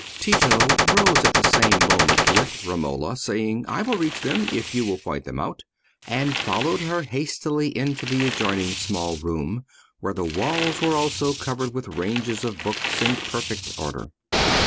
Tito rose at the same moment with Romola, saying, "I will reach them, if you will point them out," and followed her hastily into the adjoining small room, where the walls were also covered with ranges of books in perfect order.